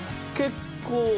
結構